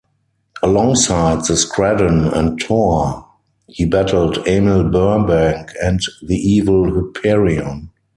Alongside the Squadron and Thor, he battled Emil Burbank and the evil Hyperion.